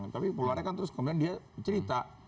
tapi keluarnya kan terus kemudian dia cerita